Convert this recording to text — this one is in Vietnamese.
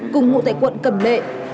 cùng ngụ tại quận cầm nguyên